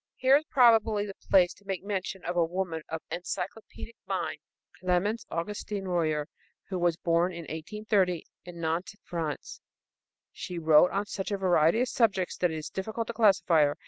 Here is, probably, the place to make mention of a woman of encyclopædic mind, Clemence Augustine Royer, who was born in 1830 in Nantes, France. She wrote on such a variety of subjects that it is difficult to classify her.